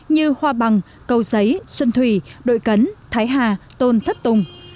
như hoa bằng cầu giấy xuân thủy đội cấn thái hà tôn thất tùng